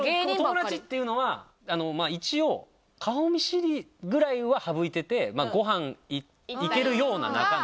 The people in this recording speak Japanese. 友達っていうのは一応顔見知りぐらいは省いててごはん行けるような仲の。